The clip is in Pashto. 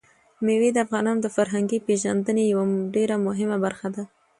مېوې د افغانانو د فرهنګي پیژندنې یوه ډېره مهمه برخه ده.